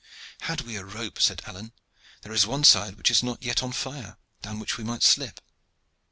"Had we a rope," said Alleyne, "there is one side which is not yet on fire, down which we might slip."